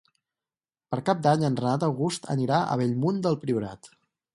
Per Cap d'Any en Renat August anirà a Bellmunt del Priorat.